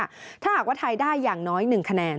ถ้าหากว่าไทยได้อย่างน้อย๑คะแนน